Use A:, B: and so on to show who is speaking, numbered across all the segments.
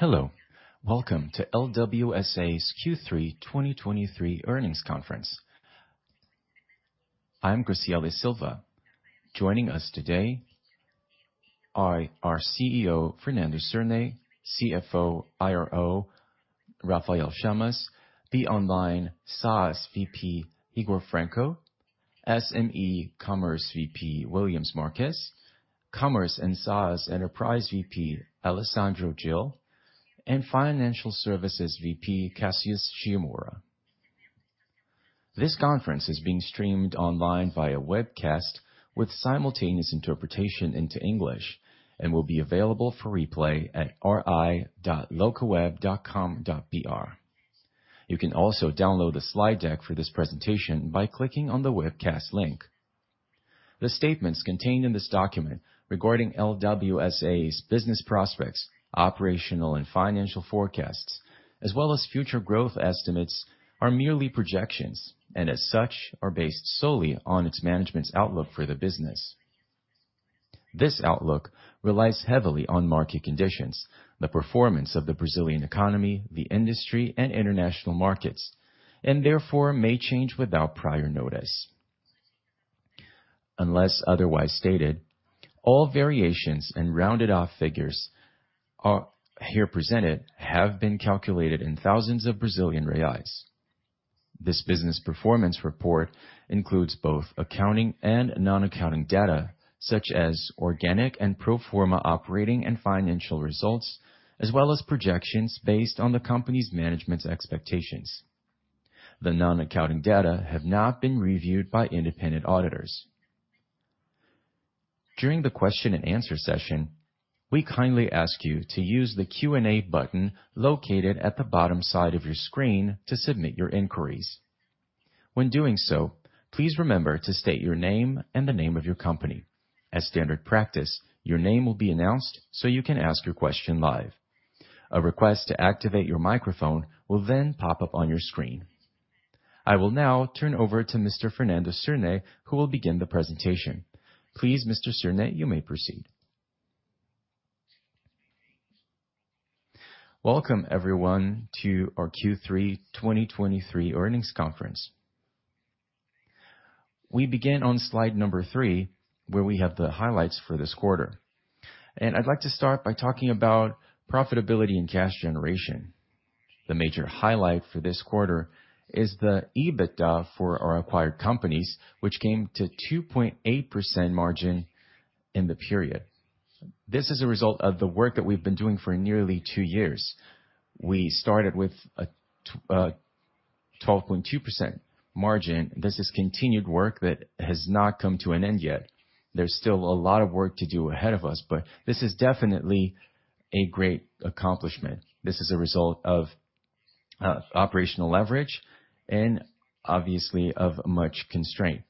A: Hello, welcome to LWSA's Q3 2023 earnings conference. I'm Graciele Silva. Joining us today are our CEO, Fernando Cirne, CFO and IRO, Rafael Chamas, BeOnline SaaS VP, Higor Franco, SME Commerce VP, Willians Marques, Commerce and SaaS Enterprise VP, Alessandro Gil, and Financial Services VP, Cassius Schymura. This conference is being streamed online via webcast with simultaneous interpretation into English and will be available for replay at ri.locaweb.com.br. You can also download the slide deck for this presentation by clicking on the webcast link. The statements contained in this document regarding LWSA's business prospects, operational and financial forecasts, as well as future growth estimates, are merely projections and as such, are based solely on its management's outlook for the business. This outlook relies heavily on market conditions, the performance of the Brazilian economy, the industry and international markets, and therefore may change without prior notice. Unless otherwise stated, all variations and rounded off figures here presented have been calculated in thousands of Brazilian reais. This business performance report includes both accounting and non-accounting data, such as organic and pro forma operating and financial results, as well as projections based on the company's management's expectations. The non-accounting data have not been reviewed by independent auditors. During the question and answer session, we kindly ask you to use the Q&A button located at the bottom side of your screen to submit your inquiries. When doing so, please remember to state your name and the name of your company. As standard practice, your name will be announced, so you can ask your question live. A request to activate your microphone will then pop up on your screen. I will now turn over to Mr. Fernando Cirne, who will begin the presentation. Please, Mr. Cirne, you may proceed.
B: Welcome everyone, to our Q3 2023 earnings conference. We begin on slide number 3, where we have the highlights for this quarter, and I'd like to start by talking about profitability and cash generation. The major highlight for this quarter is the EBITDA for our acquired companies, which came to 2.8% margin in the period. This is a result of the work that we've been doing for nearly two years. We started with a twelve point two percent margin. This is continued work that has not come to an end yet. There's still a lot of work to do ahead of us, but this is definitely a great accomplishment. This is a result of operational leverage and obviously of much constraint.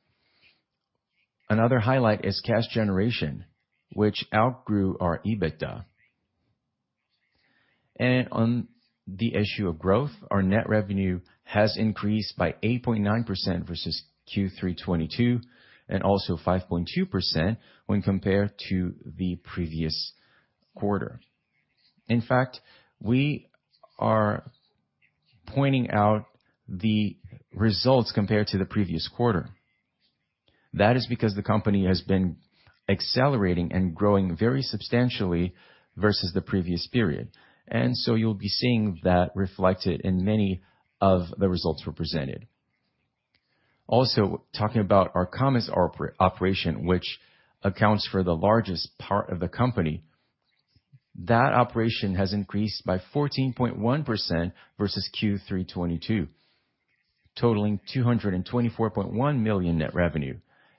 B: Another highlight is cash generation, which outgrew our EBITDA. On the issue of growth, our net revenue has increased by 8.9% versus Q3 2022, and also 5.2% when compared to the previous quarter. In fact, we are pointing out the results compared to the previous quarter. That is because the company has been accelerating and growing very substantially versus the previous period, and so you'll be seeing that reflected in many of the results represented. Also, talking about our commerce operation, which accounts for the largest part of the company. That operation has increased by 14.1% versus Q3 2022, totaling 224.1 million net revenue,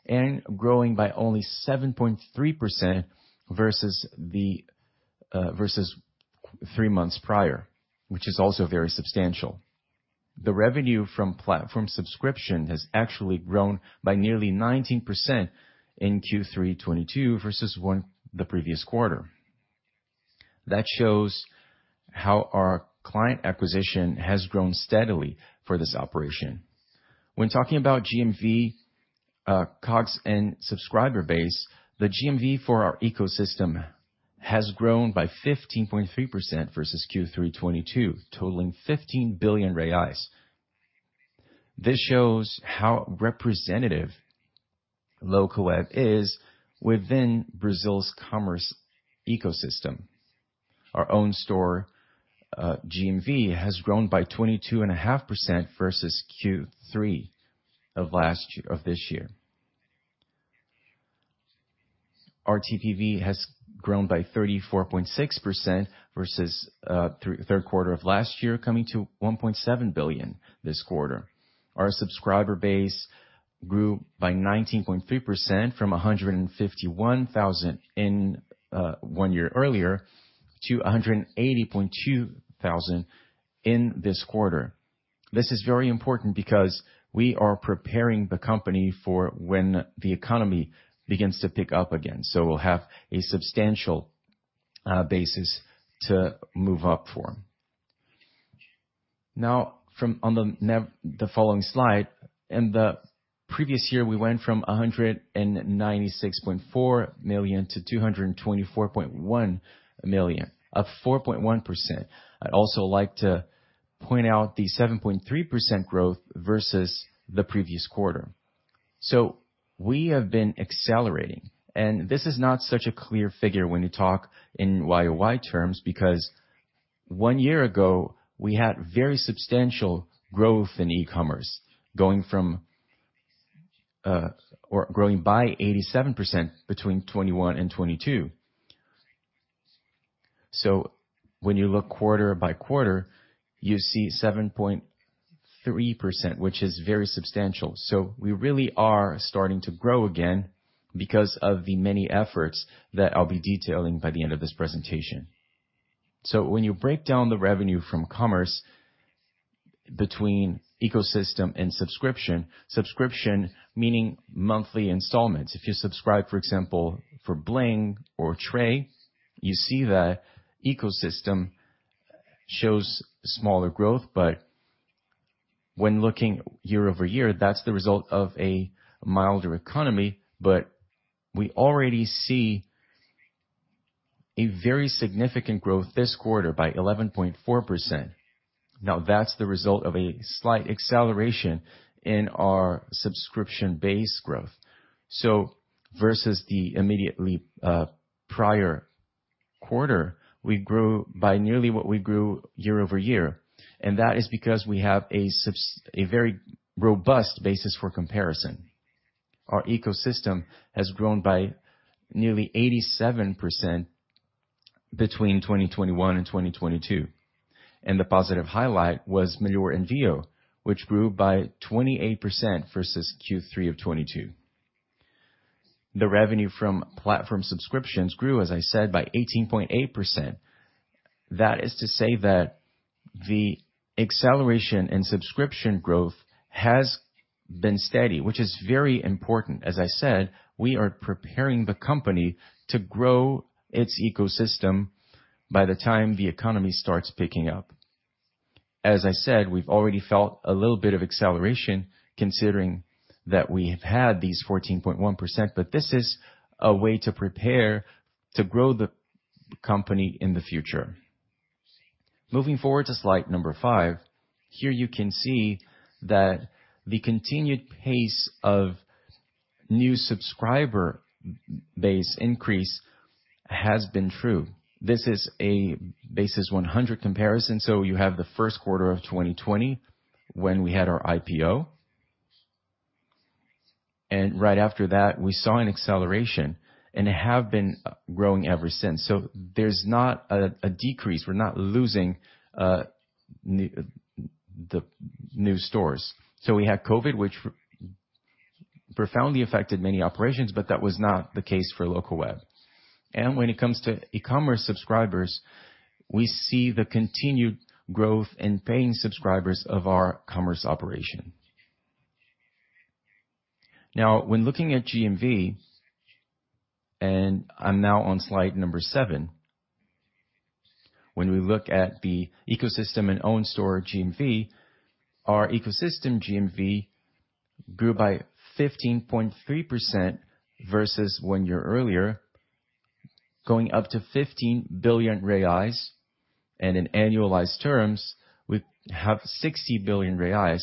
B: and growing by only 7.3% versus the, versus three months prior, which is also very substantial. The revenue from platform subscription has actually grown by nearly 19% in Q3 2022 versus the previous quarter. That shows how our client acquisition has grown steadily for this operation. When talking about GMV, COGS and subscriber base, the GMV for our ecosystem has grown by 15.3% versus Q3 2022, totaling 15 billion reais. This shows how representative Locaweb is within Brazil's commerce ecosystem. Our own store GMV has grown by 22.5% versus Q3 of last year. Our TPV has grown by 34.6% versus third quarter of last year, coming to 1.7 billion BRL this quarter. Our subscriber base grew by 19.3% from 151,000 in one year earlier, to 180,200 in this quarter. This is very important because we are preparing the company for when the economy begins to pick up again, so we'll have a substantial basis to move up for. Now the following slide, in the previous year, we went from 196.4 million to 224.1 million, up 4.1%. I'd also like to point out the 7.3% growth versus the previous quarter. So we have been accelerating, and this is not such a clear figure when you talk in YOY terms, because one year ago, we had very substantial growth in E-commerce, growing by 87% between 2021 and 2022. So when you look quarter by quarter, you see 7.3%, which is very substantial. So we really are starting to grow again because of the many efforts that I'll be detailing by the end of this presentation. So when you break down the revenue from commerce between ecosystem and subscription, subscription meaning monthly installments. If you subscribe, for example, for Bling or Tray, you see that ecosystem shows smaller growth, but when looking year-over-year, that's the result of a milder economy. But we already see a very significant growth this quarter by 11.4%. Now, that's the result of a slight acceleration in our subscription base growth. So versus the immediately prior quarter, we grew by nearly what we grew year-over-year, and that is because we have a very robust basis for comparison. Our ecosystem has grown by nearly 87% between 2021 and 2022, and the positive highlight was Melhor Envio, which grew by 28% versus Q3 of 2022. The revenue from platform subscriptions grew, as I said, by 18.8%. That is to say that the acceleration in subscription growth has been steady, which is very important. As I said, we are preparing the company to grow its ecosystem by the time the economy starts picking up. As I said, we've already felt a little bit of acceleration considering that we have had these 14.1%, but this is a way to prepare to grow the company in the future. Moving forward to slide number 5, here you can see that the continued pace of new subscriber base increase has been true. This is a base 100 comparison, so you have the first quarter of 2020 when we had our IPO. Right after that, we saw an acceleration and have been growing ever since. So there's not a decrease. We're not losing the new stores. We had COVID, which profoundly affected many operations, but that was not the case for Locaweb. When it comes to E-commerce subscribers, we see the continued growth in paying subscribers of our commerce operation. Now, when looking at GMV, and I'm now on slide number 7. When we look at the ecosystem and own store GMV, our ecosystem GMV grew by 15.3% versus one year earlier, going up to 15 billion reais, and in annualized terms, we have 60 billion reais.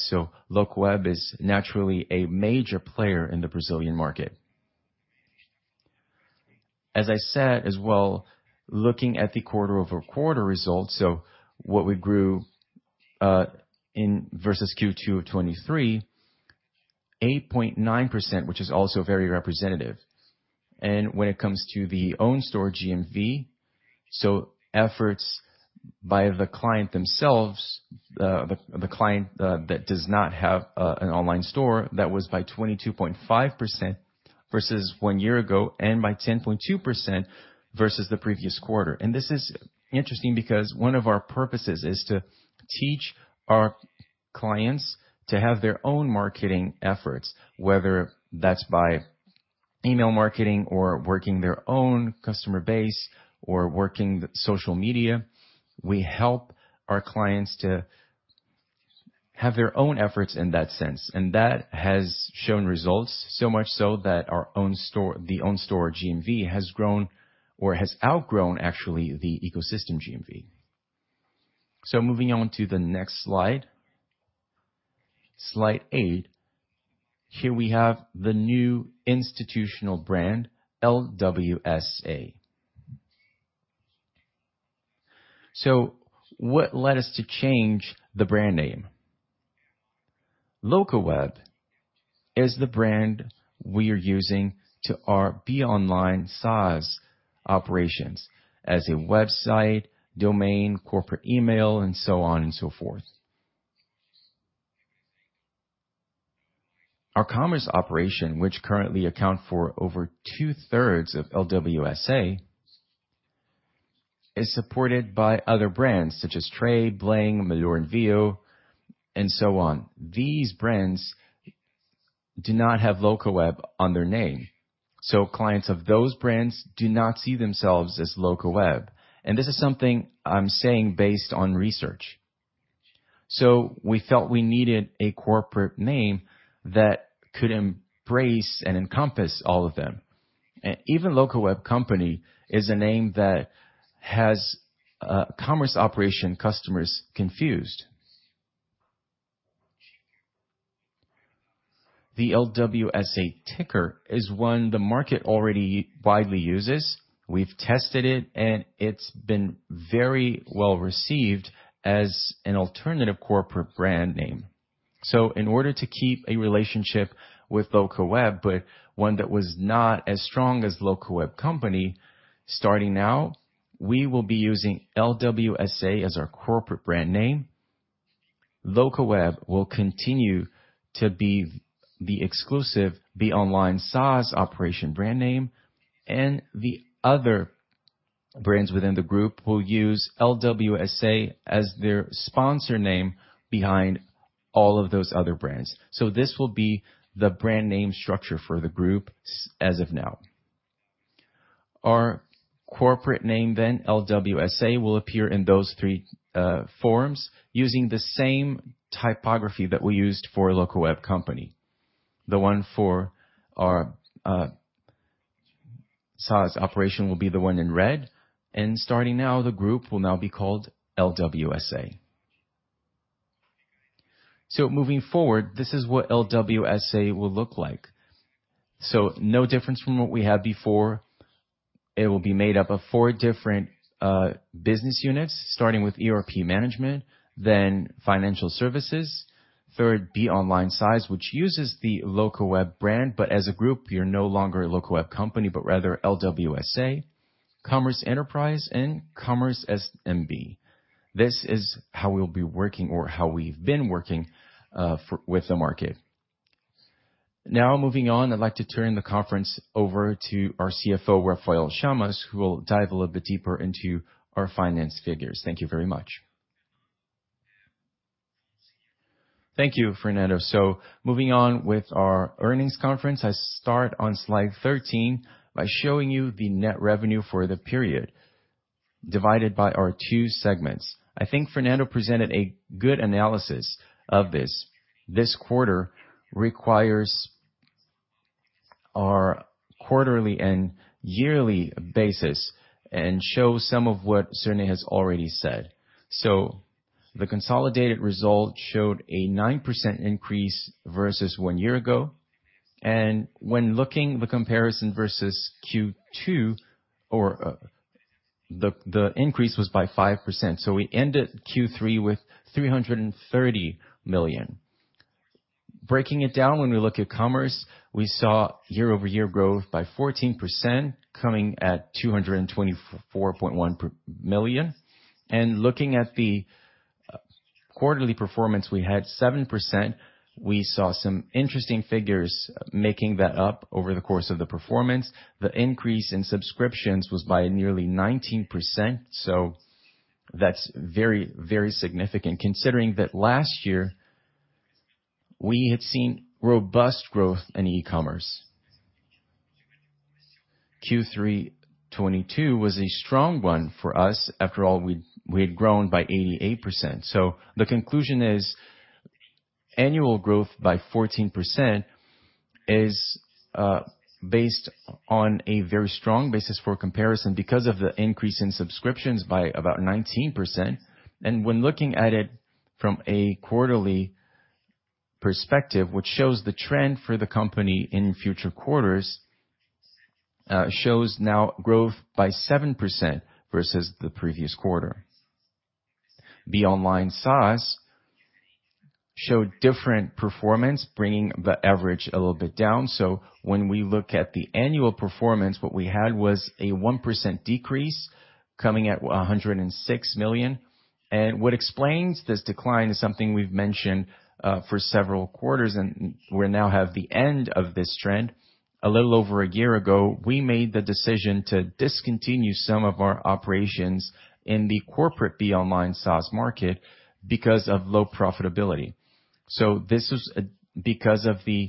B: Locaweb is naturally a major player in the Brazilian market. As I said as well, looking at the quarter-over-quarter results, so what we grew in versus Q2 of 2023, 8.9%, which is also very representative. When it comes to the own store GMV, so efforts by the client themselves, the client that does not have an online store, that was by 22.5% versus one year ago and by 10.2% versus the previous quarter. This is interesting because one of our purposes is to teach our clients to have their own marketing efforts, whether that's by email marketing or working their own customer base or working social media. We help our clients to have their own efforts in that sense, and that has shown results, so much so that our own store, the own store GMV, has grown or has outgrown actually, the ecosystem GMV. So moving on to the next slide, Slide 8. Here we have the new institutional brand, LWSA. So what led us to change the brand name? Locaweb is the brand we are using to our BeOnline SaaS operations as a website, domain, corporate email, and so on and so forth. Our commerce operation, which currently account for over two-thirds of LWSA, is supported by other brands such as Tray, Bling, Melhor Envio, and so on. These brands do not have Locaweb on their name, so clients of those brands do not see themselves as Locaweb, and this is something I'm saying based on research. We felt we needed a corporate name that could embrace and encompass all of them. Even Locaweb Company is a name that has commerce operation customers confused. The LWSA ticker is one the market already widely uses. We've tested it, and it's been very well-received as an alternative corporate brand name. In order to keep a relationship with Locaweb, but one that was not as strong as Locaweb Company, starting now, we will be using LWSA as our corporate brand name. Locaweb will continue to be the exclusive BeOnline SaaS operation brand name, and the other brands within the group will use LWSA as their sponsor name behind all of those other brands. This will be the brand name structure for the group as of now. Our corporate name then, LWSA, will appear in those three forms, using the same typography that we used for Locaweb Company. The one for our SaaS operation will be the one in red, and starting now, the group will now be called LWSA. So moving forward, this is what LWSA will look like. So no difference from what we had before. It will be made up of four different business units, starting with ERP Management, then Financial Services. Third, BeOnline SaaS, which uses the Locaweb brand, but as a group, we are no longer a Locaweb company, but rather LWSA, Commerce Enterprise, and Commerce SMB. This is how we'll be working or how we've been working with the market. Now, moving on, I'd like to turn the conference over to our CFO, Rafael Chamas, who will dive a little bit deeper into our finance figures. Thank you very much.
C: Thank you, Fernando. So moving on with our earnings conference, I start on Slide 13 by showing you the net revenue for the period, divided by our two segments. I think Fernando presented a good analysis of this. This quarter requires our quarterly and yearly basis and shows some of what Cirne has already said. So the consolidated result showed a 9% increase versus one year ago, and when looking the comparison versus Q2, or, the increase was by 5%, so we ended Q3 with 330 million. Breaking it down, when we look at Commerce, we saw year-over-year growth by 14%, coming at 224.1 million. Looking at the quarterly performance, we had 7%. We saw some interesting figures making that up over the course of the performance. The increase in subscriptions was by nearly 19%, so that's very, very significant, considering that last year we had seen robust growth in E-commerce. Q3 2022 was a strong one for us. After all, we had grown by 88%. So the conclusion is, annual growth by 14% is based on a very strong basis for comparison because of the increase in subscriptions by about 19%. And when looking at it from a quarterly perspective, which shows the trend for the company in future quarters, shows now growth by 7% versus the previous quarter. The online SaaS showed different performance, bringing the average a little bit down. So when we look at the annual performance, what we had was a 1% decrease, coming in at 106 million. And what explains this decline is something we've mentioned for several quarters, and we now have the end of this trend. A little over a year ago, we made the decision to discontinue some of our operations in the corporate BeOnline SaaS market because of low profitability. So this was because of the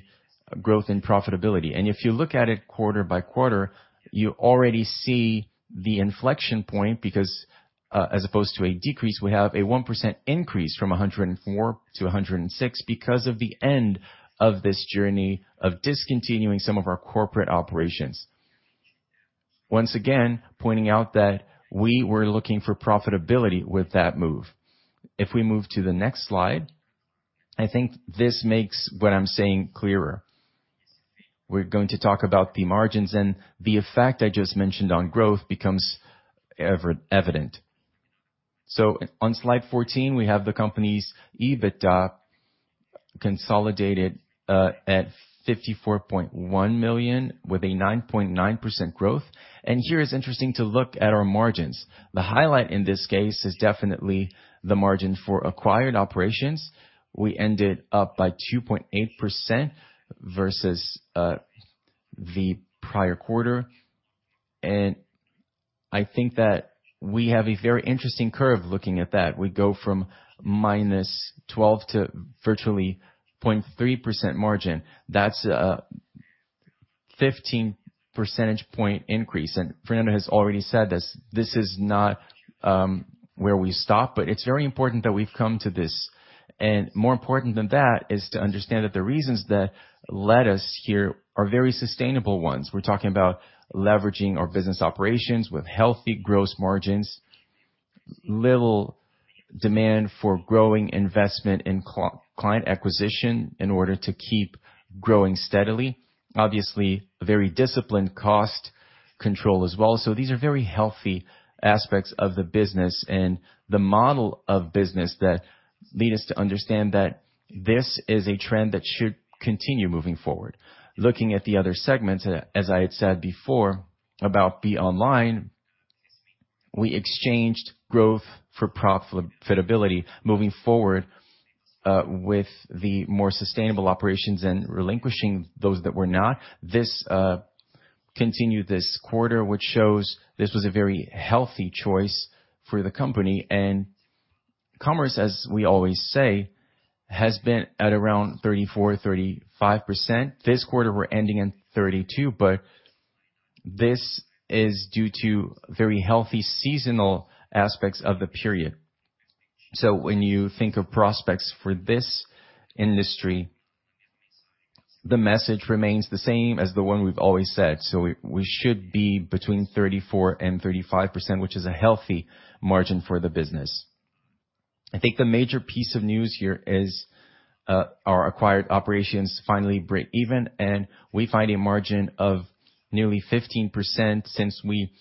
C: growth in profitability. And if you look at it quarter by quarter, you already see the inflection point, because, as opposed to a decrease, we have a 1% increase from 104 million to 106 million because of the end of this journey of discontinuing some of our corporate operations. Once again, pointing out that we were looking for profitability with that move. If we move to the next slide, I think this makes what I'm saying clearer. We're going to talk about the margins, and the effect I just mentioned on growth becomes ever-evident. On Slide 14, we have the company's EBITDA consolidated at 54.1 million, with a 9.9% growth. And here, it's interesting to look at our margins. The highlight in this case is definitely the margin for acquired operations. We ended up by 2.8% versus the prior quarter. I think that we have a very interesting curve looking at that. We go from -12 to virtually 0.3% margin. That's a 15 percentage point increase, and Fernando has already said this, this is not where we stop, but it's very important that we've come to this. More important than that is to understand that the reasons that led us here are very sustainable ones. We're talking about leveraging our business operations with healthy gross margins, little demand for growing investment in client acquisition in order to keep growing steadily. Obviously, very disciplined cost control as well. These are very healthy aspects of the business and the model of business that lead us to understand that this is a trend that should continue moving forward. Looking at the other segments, as I had said before, about BeOnline, we exchanged growth for profitability moving forward, with the more sustainable operations and relinquishing those that were not. This continued this quarter, which shows this was a very healthy choice for the company, and commerce, as we always say, has been at around 34%-35%. This quarter, we're ending in 32, but this is due to very healthy seasonal aspects of the period. So when you think of prospects for this industry, the message remains the same as the one we've always said. So we, we should be between 34% and 35%, which is a healthy margin for the business. I think the major piece of news here is, our acquired operations finally break even, and we find a margin of nearly 15% since we,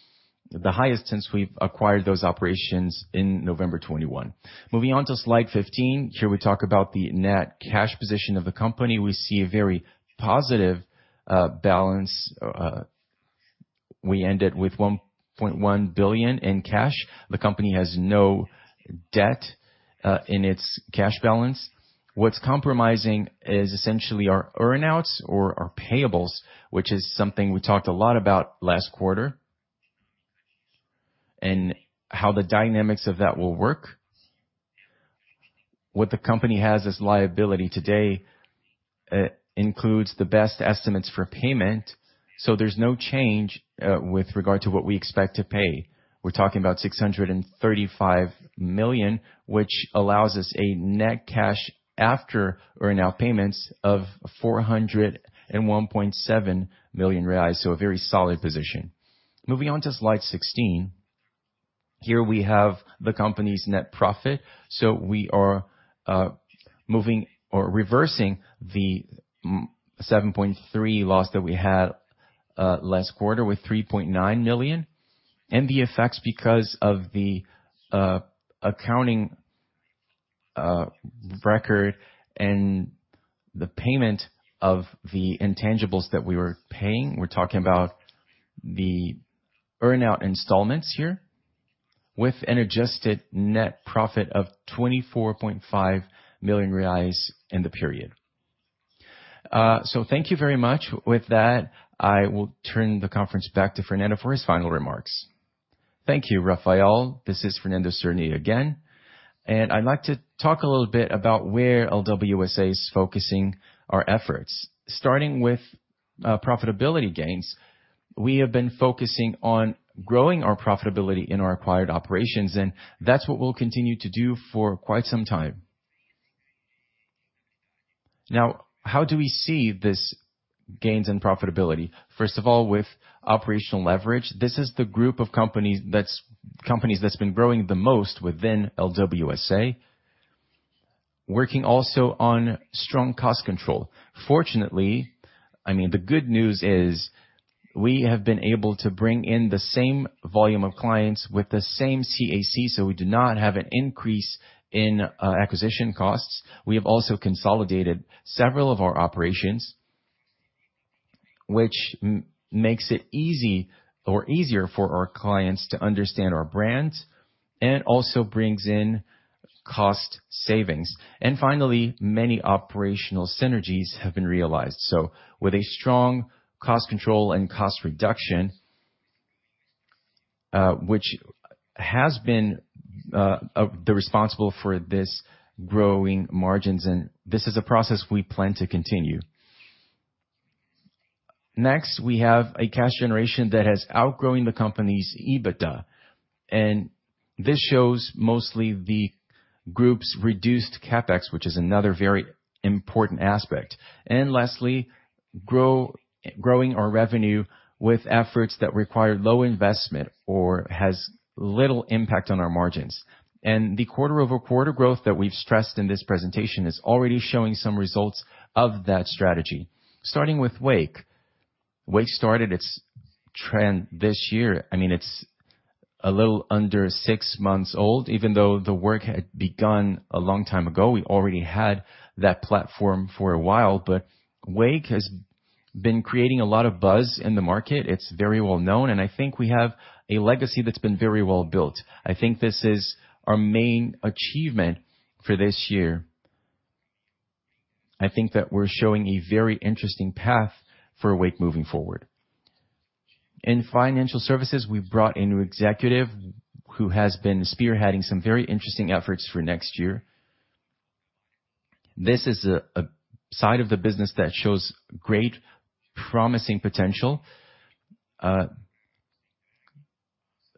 C: the highest since we've acquired those operations in November 2021. Moving on to Slide 15. Here we talk about the net cash position of the company. We see a very positive, balance. We ended with 1.1 billion in cash. The company has no debt, in its cash balance. What's compromising is essentially our earnouts or our payables, which is something we talked a lot about last quarter, and how the dynamics of that will work. What the company has as liability today includes the best estimates for payment, so there's no change with regard to what we expect to pay. We're talking about 635 million, which allows us a net cash after earnout payments of 401.7 million reais, so a very solid position. Moving on to Slide 16. Here we have the company's net profit, so we are moving or reversing the minus 7.3 million loss that we had last quarter with 3.9 million, and the effects because of the accounting record and the payment of the intangibles that we were paying. We're talking about the earnout installments here with an adjusted net profit of 24.5 million reais in the period. So thank you very much. With that, I will turn the conference back to Fernando for his final remarks.
B: Thank you, Rafael. This is Fernando Cirne again, and I'd like to talk a little bit about where LWSA is focusing our efforts. Starting with profitability gains, we have been focusing on growing our profitability in our acquired operations, and that's what we'll continue to do for quite some time. Now, how do we see this gains in profitability? First of all, with operational leverage. This is the group of companies that's been growing the most within LWSA, working also on strong cost control. Fortunately, I mean, the good news is, we have been able to bring in the same volume of clients with the same CAC, so we do not have an increase in acquisition costs. We have also consolidated several of our operations, which makes it easy or easier for our clients to understand our brands and also brings in cost savings. And finally, many operational synergies have been realized. So with a strong cost control and cost reduction, which has been the responsible for this growing margins, and this is a process we plan to continue. Next, we have a cash generation that has outgrowing the company's EBITDA, and this shows mostly the group's reduced CapEx, which is another very important aspect. And lastly, growing our revenue with efforts that require low investment or has little impact on our margins. The quarter-over-quarter growth that we've stressed in this presentation is already showing some results of that strategy. Starting with Wake. Wake started its trend this year. I mean, it's a little under six months old. Even though the work had begun a long time ago, we already had that platform for a while, but Wake has been creating a lot of buzz in the market. It's very well known, and I think we have a legacy that's been very well built. I think this is our main achievement for this year. I think that we're showing a very interesting path for Wake moving forward. In financial services, we've brought a new executive who has been spearheading some very interesting efforts for next year. This is a side of the business that shows great promising potential.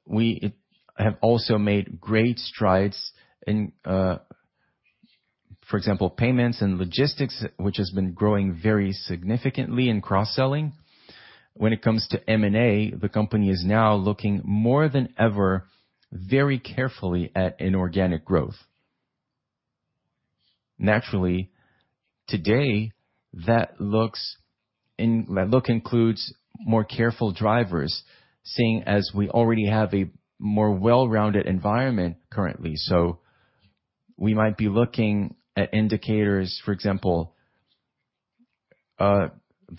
B: We have also made great strides in, for example, payments and logistics, which has been growing very significantly in cross-selling. When it comes to M&A, the company is now looking more than ever, very carefully at inorganic growth. Naturally, today, that looks in that look includes more careful drivers, seeing as we already have a more well-rounded environment currently. So we might be looking at indicators, for example, the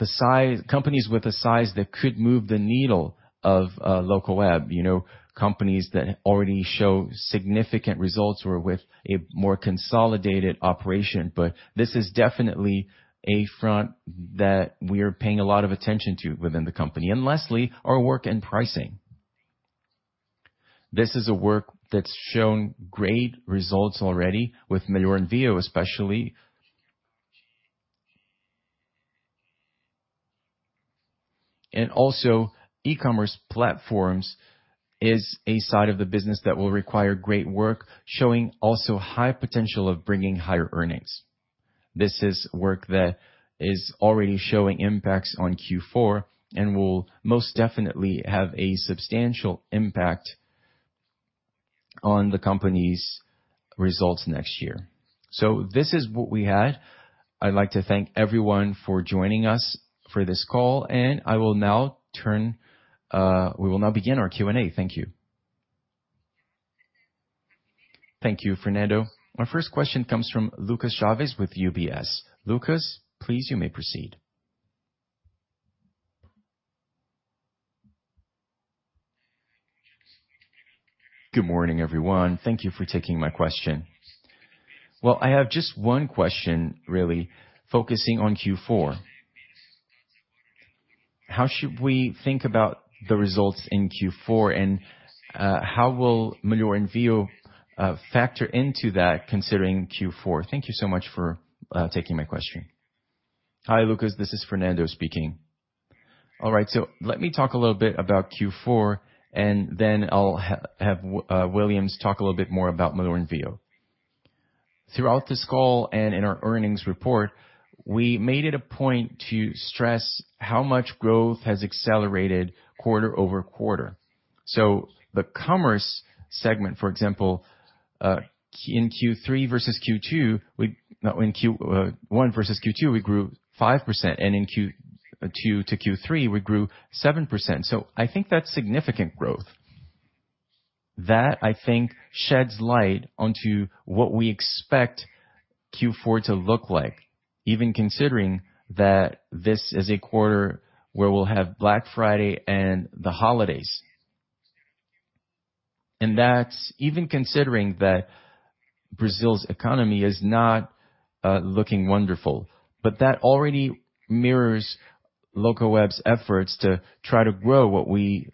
B: size companies with a size that could move the needle of, Locaweb, you know, companies that already show significant results or with a more consolidated operation. But this is definitely a front that we are paying a lot of attention to within the company. And lastly, our work and pricing. This is a work that's shown great results already with Melhor Envio especially.
D: Also, E-commerce platforms is a side of the business that will require great work, showing also high potential of bringing higher earnings. This is work that is already showing impacts on Q4 and will most definitely have a substantial impact on the company's results next year. This is what we had. I'd like to thank everyone for joining us for this call, and I will now turn. We will now begin our Q&A. Thank you.
E: Thank you, Fernando. Our first question comes from Lucas Chaves with UBS. Lucas, please, you may proceed.
F: Good morning, everyone. Thank you for taking my question. Well, I have just one question, really, focusing on Q4. How should we think about the results in Q4, and how will Melhor Envio factor into that, considering Q4? Thank you so much for taking my question.
B: Hi, Lucas. This is Fernando speaking. All right, so let me talk a little bit about Q4, and then I'll have Willians talk a little bit more about Melhor Envio. Throughout this call and in our earnings report, we made it a point to stress how much growth has accelerated quarter-over-quarter. So the commerce segment, for example, in Q3 versus Q2, in Q1 versus Q2, we grew 5%, and in Q2 to Q3, we grew 7%. So I think that's significant growth. That, I think, sheds light onto what we expect Q4 to look like, even considering that this is a quarter where we'll have Black Friday and the holidays. And that's even considering that Brazil's economy is not looking wonderful.
C: But that already mirrors Locaweb's efforts to try to grow what we,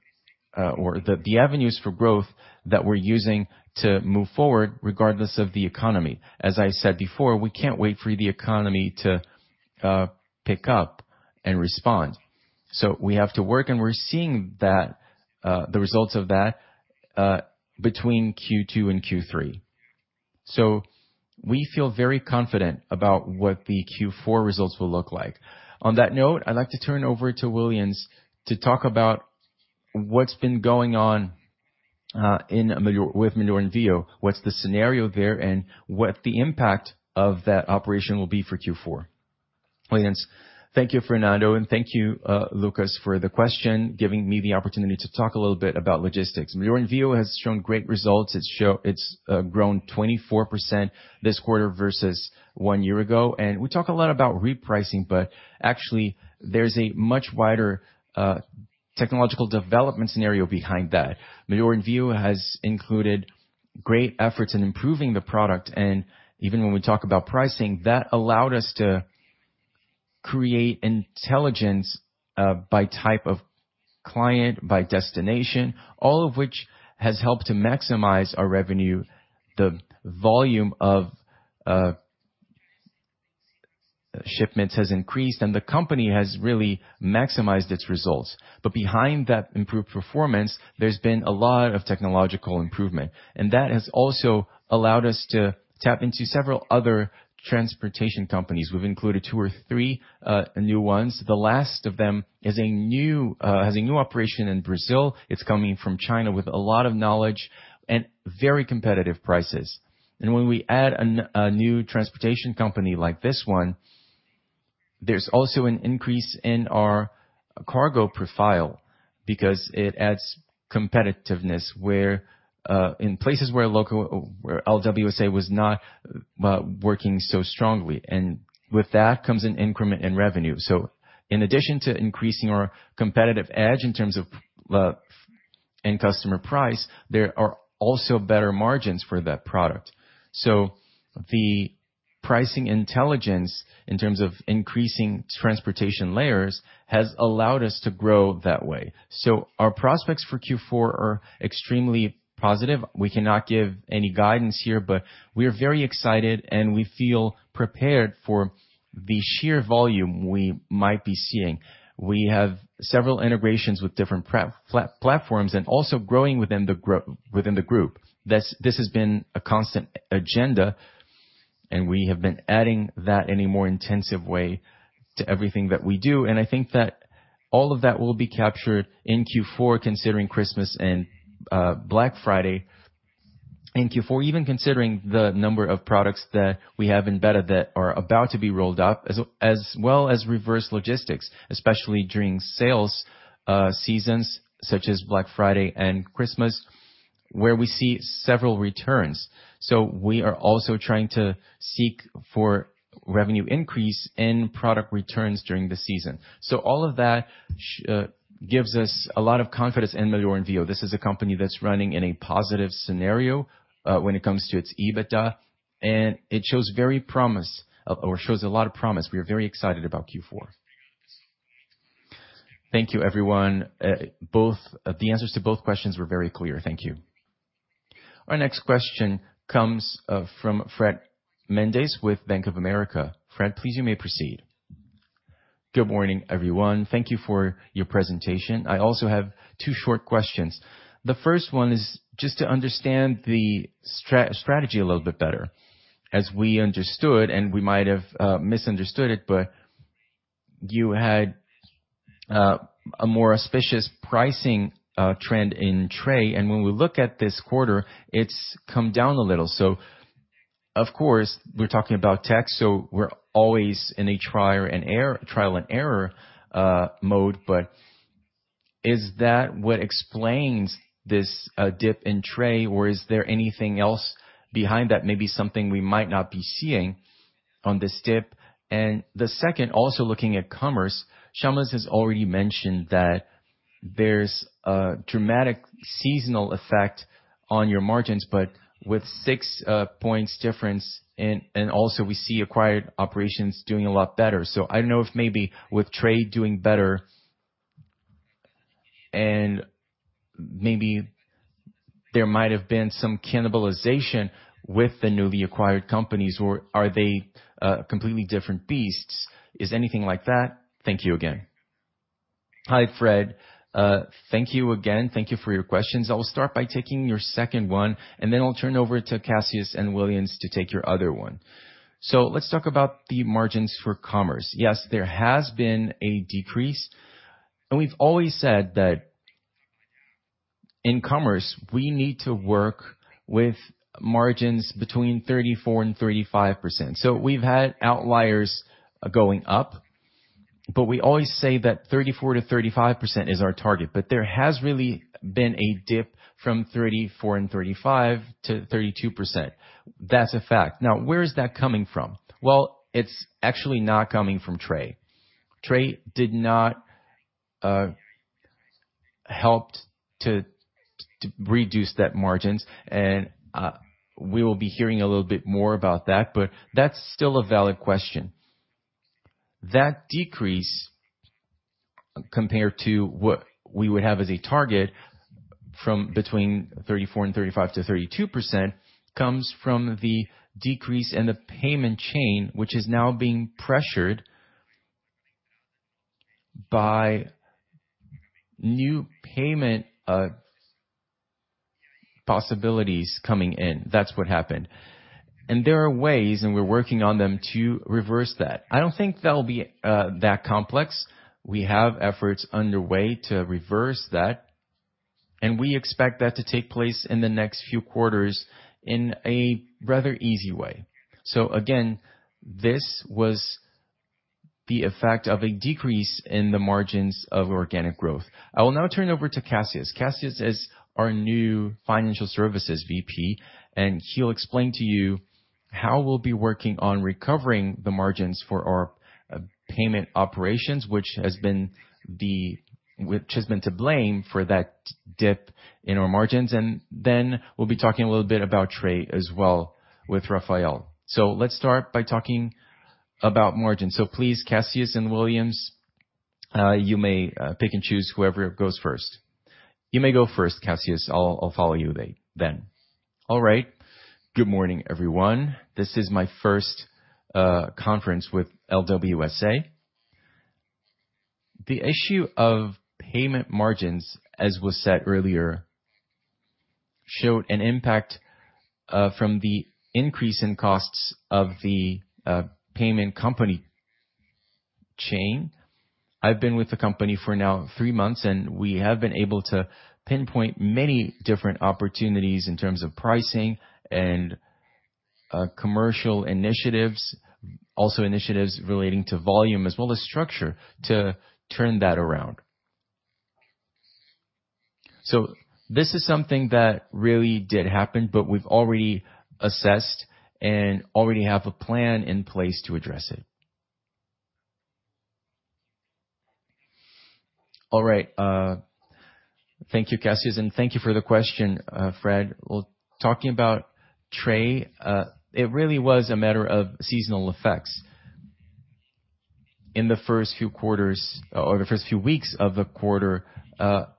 C: or the, the avenues for growth that we're using to move forward, regardless of the economy. As I said before, we can't wait for the economy to pick up and respond. So we have to work, and we're seeing that the results of that between Q2 and Q3. So we feel very confident about what the Q4 results will look like. On that note, I'd like to turn over to Willians to talk about what's been going on in Melhor Envio, what's the scenario there, and what the impact of that operation will be for Q4. Willians.
G: Thank you, Fernando, and thank you, Lucas, for the question, giving me the opportunity to talk a little bit about logistics. Melhor Envio has shown great results. It's grown 24% this quarter versus one year ago, and we talk a lot about repricing, but actually, there's a much wider technological development scenario behind that. Melhor Envio has included great efforts in improving the product, and even when we talk about pricing, that allowed us to create intelligence by type of client, by destination, all of which has helped to maximize our revenue. The volume of shipments has increased, and the company has really maximized its results. But behind that improved performance, there's been a lot of technological improvement, and that has also allowed us to tap into several other transportation companies. We've included two or three new ones. The last of them has a new operation in Brazil. It's coming from China with a lot of knowledge and very competitive prices. When we add a new transportation company like this one, there's also an increase in our cargo profile because it adds competitiveness, where in places where local, where LWSA was not working so strongly. With that comes an increment in revenue. In addition to increasing our competitive edge in terms of end customer price, there are also better margins for that product. The pricing intelligence, in terms of increasing transportation layers, has allowed us to grow that way. Our prospects for Q4 are extremely positive. We cannot give any guidance here, but we are very excited, and we feel prepared for the sheer volume we might be seeing. We have several integrations with different platforms and also growing within the group. This, this has been a constant agenda, and we have been adding that in a more intensive way to everything that we do. And I think that all of that will be captured in Q4, considering Christmas and Black Friday in Q4, even considering the number of products that we have embedded that are about to be rolled out, as well as reverse logistics, especially during sales seasons such as Black Friday and Christmas, where we see several returns. So we are also trying to seek for revenue increase in product returns during the season. So all of that gives us a lot of confidence in Melhor Envio. This is a company that's running in a positive scenario, when it comes to its EBITDA, and it shows very promise, or shows a lot of promise. We are very excited about Q4.
F: Thank you, everyone. The answers to both questions were very clear. Thank you.
E: Our next question comes from Fred Mendes with Bank of America. Fred, please, you may proceed.
H: Good morning, everyone. Thank you for your presentation. I also have two short questions. The first one is just to understand the strategy a little bit better. As we understood, and we might have misunderstood it, but you had a more auspicious pricing trend in Tray, and when we look at this quarter, it's come down a little. So of course, we're talking about tech, so we're always in a trial and error, trial and error mode, but is that what explains this dip in Tray, or is there anything else behind that? Maybe something we might not be seeing on this dip. The second, also looking at Commerce, Chamas has already mentioned that there's a dramatic seasonal effect on your margins, but with 6 points difference, and also we see acquired operations doing a lot better. So I don't know if maybe with Tray doing better, and maybe there might have been some cannibalization with the newly acquired companies, or are they completely different beasts? Is anything like that? Thank you again.
B: Hi, Fred. Thank you again. Thank you for your questions. I will start by taking your second one, and then I'll turn it over to Cassius and Willians to take your other one. Let's talk about the margins for Commerce. Yes, there has been a decrease, and we've always said that in Commerce, we need to work with margins between 34% and 35%. So we've had outliers going up, but we always say that 34%-35% is our target. But there has really been a dip from 34% and 35% to 32%. That's a fact. Now, where is that coming from? Well, it's actually not coming from tray. Tray did not helped to, to reduce that margins. And we will be hearing a little bit more about that, but that's still a valid question. That decrease, compared to what we would have as a target from between 34% and 35% to 32%, comes from the decrease in the payment chain, which is now being pressured by new payment possibilities coming in. That's what happened. And there are ways, and we're working on them to reverse that. I don't think that'll be that complex. We have efforts underway to reverse that, and we expect that to take place in the next few quarters in a rather easy way. So again, this was the effect of a decrease in the margins of organic growth. I will now turn it over to Cassius. Cassius is our new financial services VP, and he'll explain to you how we'll be working on recovering the margins for our payment operations, which has been to blame for that dip in our margins. And then we'll be talking a little bit about Tray as well with Rafael. So let's start by talking about margins. So please, Cassius and Willians, you may pick and choose whoever goes first.
G: You may go first, Cassius. I'll follow you later, then.
I: All right. Good morning, everyone. This is my first conference with LWSA. The issue of payment margins, as was said earlier, showed an impact from the increase in costs of the payment company chain. I've been with the company for now three months, and we have been able to pinpoint many different opportunities in terms of pricing and commercial initiatives, also initiatives relating to volume as well as structure, to turn that around. So this is something that really did happen, but we've already assessed and already have a plan in place to address it.
G: All right, thank you, Cassius, and thank you for the question, Fred. Well, talking about Tray, it really was a matter of seasonal effects. In the first few quarters or the first few weeks of the quarter,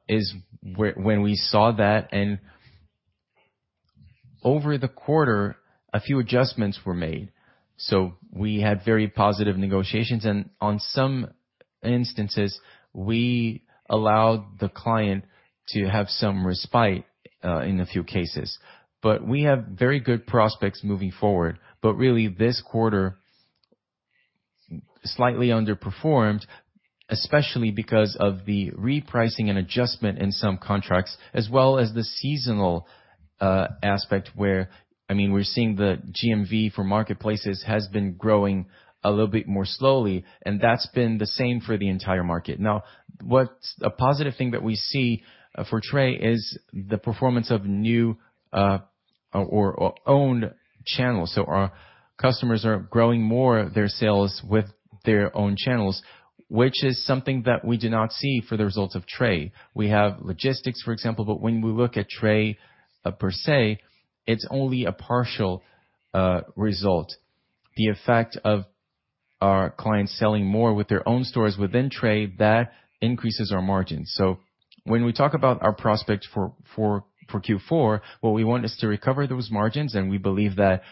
G: is where, when we saw that, and over the quarter, a few adjustments were made. So we had very positive negotiations, and on some instances, we allowed the client to have some respite in a few cases. But we have very good prospects moving forward. But really, this quarter slightly underperformed, especially because of the repricing and adjustment in some contracts, as well as the seasonal aspect, where, I mean, we're seeing the GMV for marketplaces has been growing a little bit more slowly, and that's been the same for the entire market. Now, what's a positive thing that we see for Tray is the performance of new or owned channels. So our customers are growing more their sales with their own channels, which is something that we did not see for the results of Tray. We have logistics, for example, but when we look at Tray per se, it's only a partial result. The effect of our clients selling more with their own stores within Tray, that increases our margins. So when we talk about our prospect for Q4, what we want is to recover those margins, and we believe that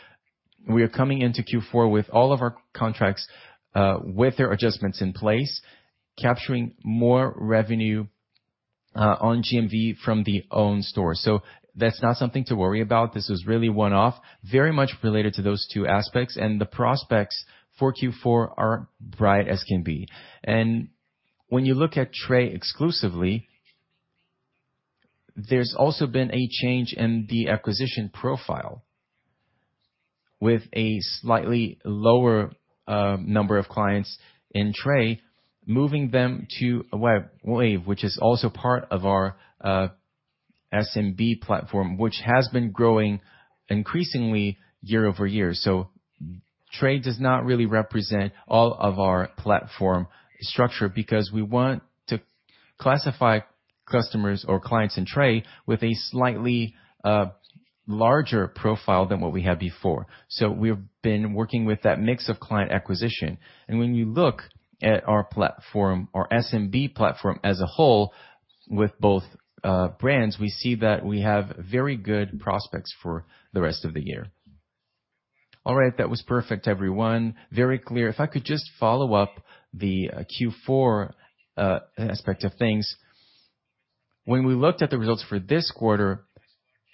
G: we are coming into Q4 with all of our contracts with their adjustments in place, capturing more revenue on GMV from the own store. So that's not something to worry about. This is really one-off, very much related to those two aspects, and the prospects for Q4 are bright as can be. And when you look at Tray exclusively, there's also been a change in the acquisition profile with a slightly lower number of clients in Tray, moving them to Wake, which is also part of our SMB platform, which has been growing increasingly year-over-year. So Tray does not really represent all of our platform structure, because we want to classify customers or clients in Tray with a slightly larger profile than what we had before. So we've been working with that mix of client acquisition, and when you look at our platform, our SMB platform as a whole, with both brands, we see that we have very good prospects for the rest of the year. All right. That was perfect, everyone. Very clear. If I could just follow up the Q4 aspect of things. When we looked at the results for this quarter,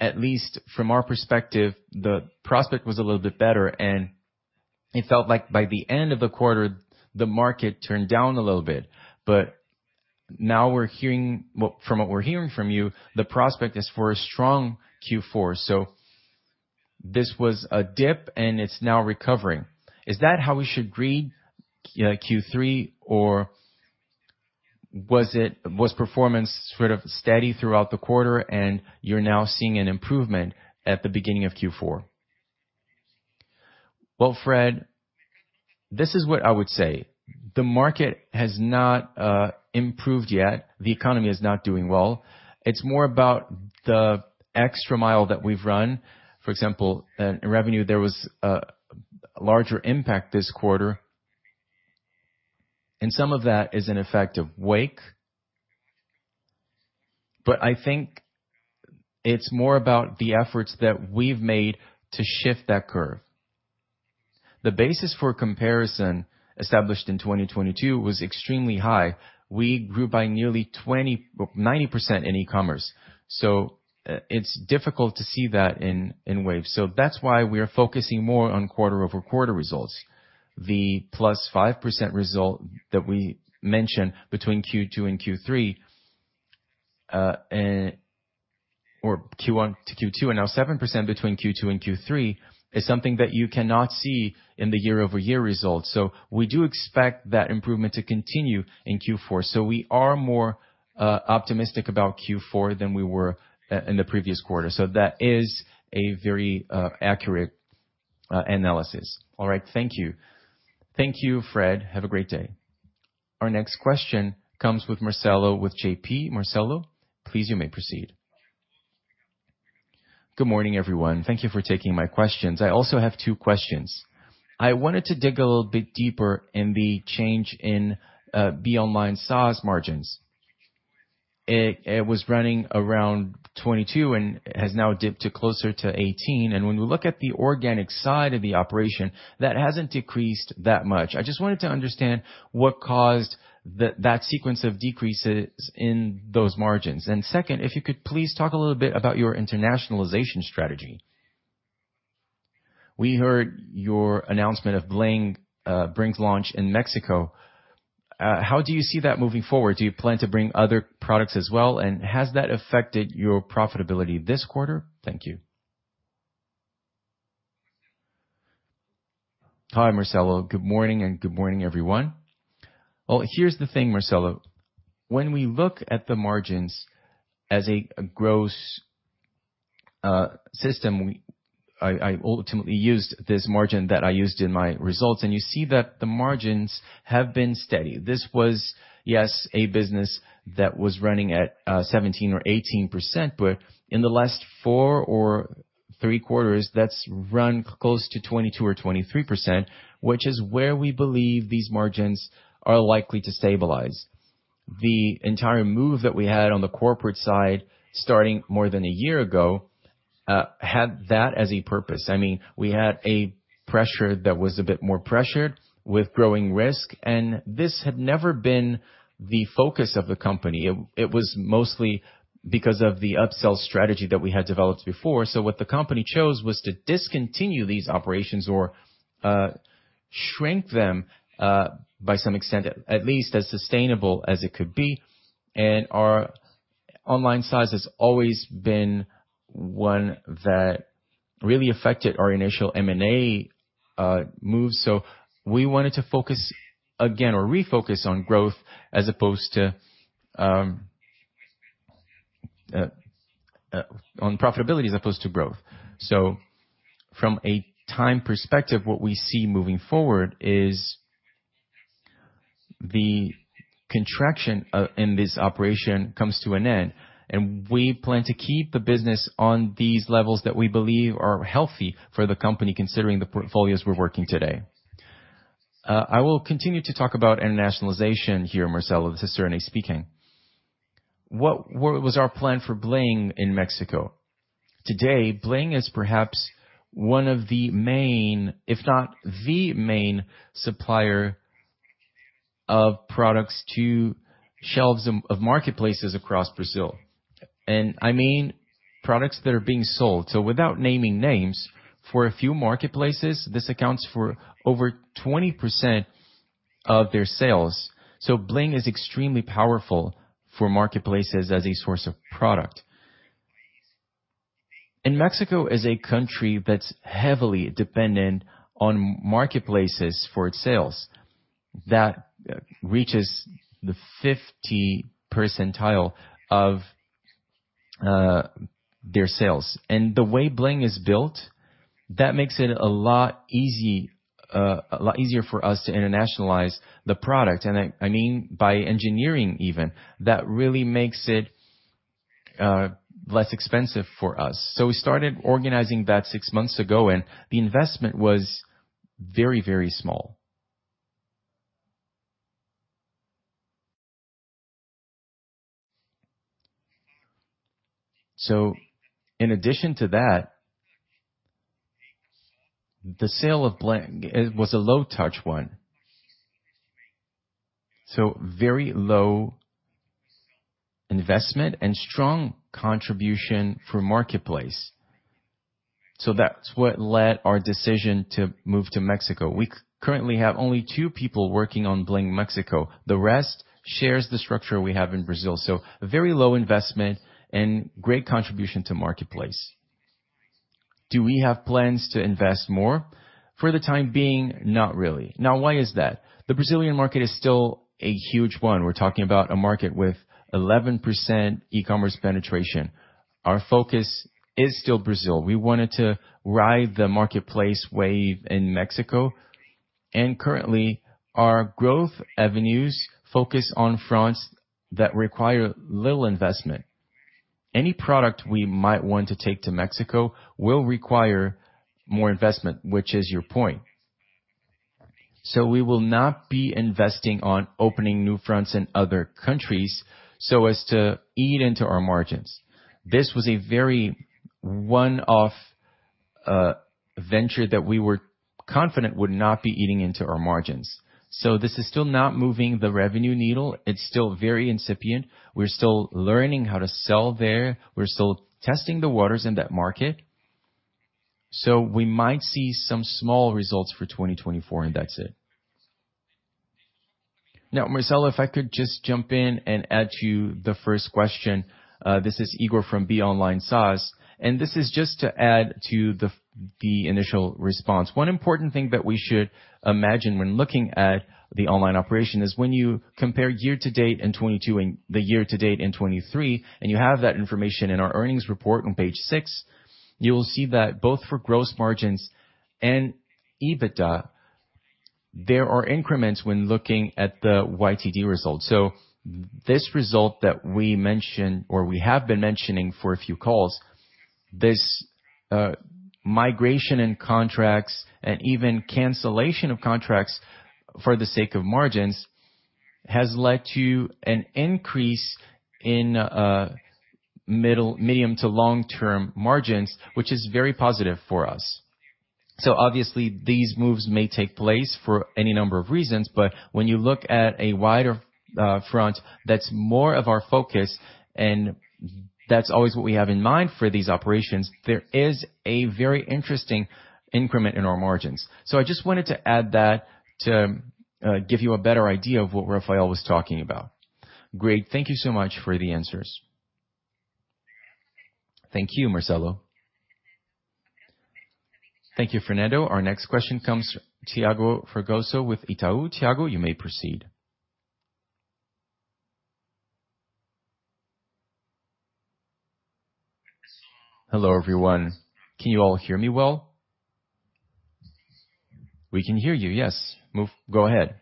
G: at least from our perspective, the prospect was a little bit better, and it felt like by the end of the quarter, the market turned down a little bit. But now we're hearing. From what we're hearing from you, the prospect is for a strong Q4, so this was a dip, and it's now recovering. Is that how we should read Q3, or was it, was performance sort of steady throughout the quarter, and you're now seeing an improvement at the beginning of Q4? Well, Fred, this is what I would say: The market has not improved yet. The economy is not doing well. It's more about the extra mile that we've run. For example, in revenue, there was a larger impact this quarter, and some of that is an effect of Wake. But I think it's more about the efforts that we've made to shift that curve. The basis for comparison, established in 2022, was extremely high. We grew by nearly 29% in E-commerce, so it's difficult to see that in Wake. So that's why we are focusing more on quarter-over-quarter results. The +5% result that we mentioned between Q2 and Q3, and or Q1 to Q2, and now 7% between Q2 and Q3, is something that you cannot see in the year-over-year results. So we do expect that improvement to continue in Q4. So we are more optimistic about Q4 than we were in the previous quarter. So that is a very accurate analysis.
H: All right. Thank you.
G: Thank you, Fred. Have a great day.
E: Our next question comes with Marcelo, with JP. Marcelo, please, you may proceed.
J: Good morning, everyone. Thank you for taking my questions. I also have two questions. I wanted to dig a little bit deeper in the change in BeOnline SaaS margins. It was running around 22% and has now dipped to closer to 18%, and when we look at the organic side of the operation, that hasn't decreased that much. I just wanted to understand what caused that sequence of decreases in those margins. And second, if you could please talk a little bit about your internationalization strategy. We heard your announcement of Bling's launch in Mexico. How do you see that moving forward? Do you plan to bring other products as well, and has that affected your profitability this quarter? Thank you.
B: Hi, Marcelo. Good morning, and good morning, everyone. Well, here's the thing, Marcelo. When we look at the margins as a gross. I ultimately used this margin that I used in my results, and you see that the margins have been steady. This was, yes, a business that was running at 17% or 18%, but in the last four or three quarters, that's run close to 22% or 23%, which is where we believe these margins are likely to stabilize. The entire move that we had on the corporate side, starting more than a year ago, had that as a purpose. I mean, we had a pressure that was a bit more pressured with growing risk, and this had never been the focus of the company. It was mostly because of the upsell strategy that we had developed before. So what the company chose was to discontinue these operations or, shrink them, by some extent, at least as sustainable as it could be. And our online size has always been one that really affected our initial M&A, move. So we wanted to focus again, or refocus on growth, as opposed to, on profitability as opposed to growth. So from a time perspective, what we see moving forward is the contraction, in this operation comes to an end, and we plan to keep the business on these levels that we believe are healthy for the company, considering the portfolios we're working today.
C: I will continue to talk about internationalization here, Marcelo. This is Chamas speaking.
J: What, what was our plan for Bling in Mexico?
C: Today, Bling is perhaps one of the main, if not the main, supplier of products to shelves of marketplaces across Brazil, and I mean products that are being sold. So without naming names, for a few marketplaces, this accounts for over 20% of their sales. So Bling is extremely powerful for marketplaces as a source of product. And Mexico is a country that's heavily dependent on marketplaces for its sales. That reaches 50% of their sales. And the way Bling is built, that makes it a lot easier for us to internationalize the product. And I mean, by engineering even, that really makes it less expensive for us. So we started organizing that six months ago, and the investment was very, very small. So in addition to that, the sale of Bling, it was a low-touch one. So very low investment and strong contribution for marketplace. So that's what led our decision to move to Mexico. We currently have only two people working on Bling Mexico. The rest shares the structure we have in Brazil, so very low investment and great contribution to marketplace. Do we have plans to invest more? For the time being, not really. Now, why is that? The Brazilian market is still a huge one. We're talking about a market with 11% E-commerce penetration. Our focus is still Brazil. We wanted to ride the marketplace wave in Mexico, and currently, our growth avenues focus on fronts that require little investment. Any product we might want to take to Mexico will require more investment, which is your point. So we will not be investing on opening new fronts in other countries so as to eat into our margins. This was a very one-off venture that we were confident would not be eating into our margins. So this is still not moving the revenue needle. It's still very incipient. We're still learning how to sell there. We're still testing the waters in that market. So we might see some small results for 2024, and that's it. Now, Marcelo, if I could just jump in and add to the first question. This is Higor from BeOnline SaaS, and this is just to add to the initial response. One important thing that we should imagine when looking at the online operation is when you compare year to date in 2022 and the year to date in 2023, and you have that information in our earnings report on page 6, you will see that both for gross margins and EBITDA, there are increments when looking at the YTD results. So this result that we mentioned, or we have been mentioning for a few calls, this migration in contracts and even cancellation of contracts for the sake of margins, has led to an increase in middle, medium to long-term margins, which is very positive for us. So obviously, these moves may take place for any number of reasons, but when you look at a wider front, that's more of our focus, and that's always what we have in mind for these operations; there is a very interesting increment in our margins. So I just wanted to add that to give you a better idea of what Rafael was talking about.
J: Great. Thank you so much for the answers.
B: Thank you, Marcelo.
E: Thank you, Fernando. Our next question comes Thiago Kapulskis with Itaú. Thiago, you may proceed.
K: Hello, everyone. Can you all hear me well? We can hear you, yes. Go ahead.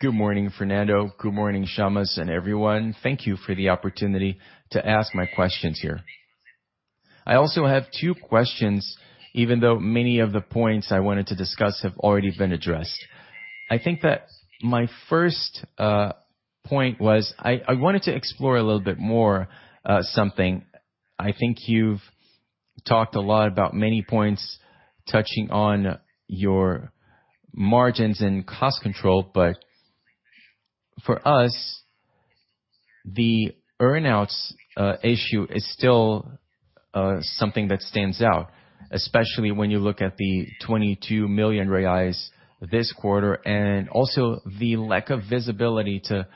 K: Good morning, Fernando. Good morning, Chamas, and everyone. Thank you for the opportunity to ask my questions here. I also have two questions, even though many of the points I wanted to discuss have already been addressed. I think that my first point was I wanted to explore a little bit more something. I think you've talked a lot about many points touching on your margins and cost control, but for us, the earn-outs issue is still something that stands out, especially when you look at the 22 million reais this quarter, and also the lack of visibility to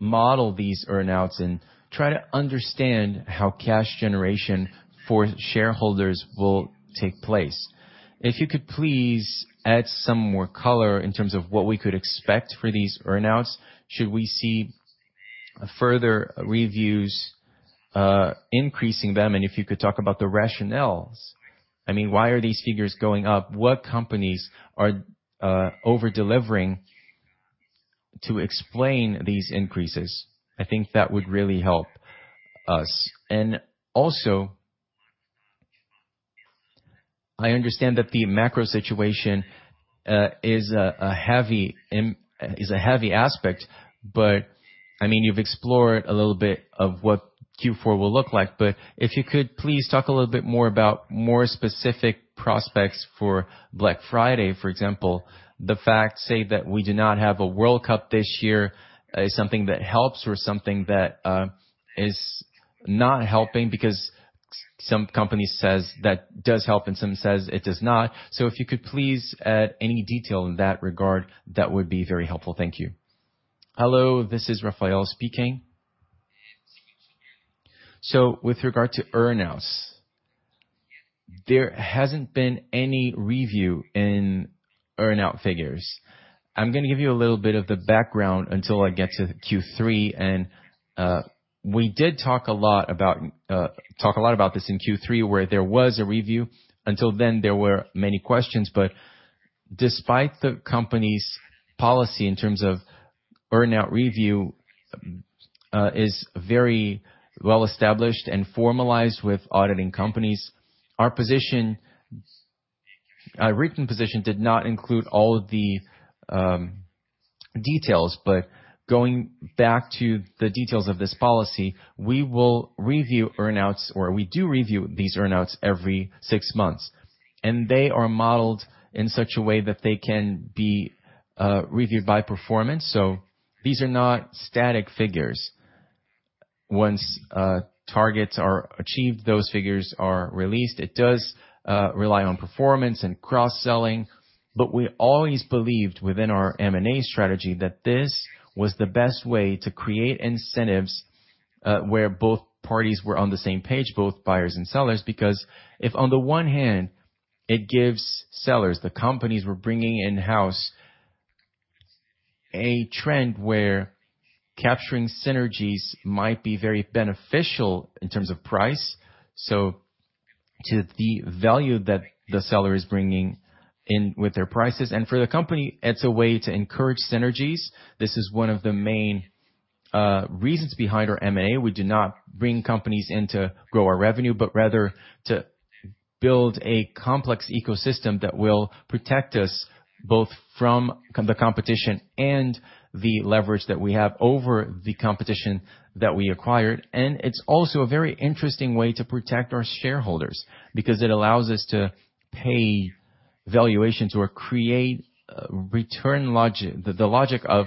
K: model these earn-outs and try to understand how cash generation for shareholders will take place. If you could please add some more color in terms of what we could expect for these earn-outs, should we see further reviews increasing them? And if you could talk about the rationales. I mean, why are these figures going up? What companies are over-delivering to explain these increases? I think that would really help us. Also, I understand that the macro situation is a heavy aspect, but, I mean, you've explored a little bit of what Q4 will look like. But if you could, please talk a little bit more about more specific prospects for Black Friday, for example. The fact, say, that we do not have a World Cup this year is something that helps or something that is not helping, because some companies says that does help and some says it does not. So if you could please add any detail in that regard, that would be very helpful. Thank you.
C: Hello, this is Rafael speaking. So with regard to earn-outs, there hasn't been any review in earn-out figures. I'm gonna give you a little bit of the background until I get to Q3, and we did talk a lot about this in Q3, where there was a review. Until then, there were many questions, but despite the company's policy in terms of earn-out review is very well established and formalized with auditing companies, our position, our recent position did not include all of the details. But going back to the details of this policy, we will review earn-outs, or we do review these earn-outs every six months, and they are modeled in such a way that they can be reviewed by performance, so these are not static figures. Once targets are achieved, those figures are released. It does rely on performance and cross-selling, but we always believed within our M&A strategy that this was the best way to create incentives where both parties were on the same page, both buyers and sellers. Because if on the one hand, it gives sellers, the companies we're bringing in-house, a trend where capturing synergies might be very beneficial in terms of price, so to the value that the seller is bringing in with their prices, and for the company, it's a way to encourage synergies. This is one of the main reasons behind our M&A. We do not bring companies in to grow our revenue, but rather to build a complex ecosystem that will protect us, both from the competition and the leverage that we have over the competition that we acquired. And it's also a very interesting way to protect our shareholders, because it allows us to pay valuations or create return logic, the logic of